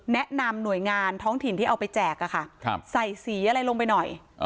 แนะนำหน่วยงานท้องถิ่นที่เอาไปแจกใส่สีอะไรลงไปหน่อย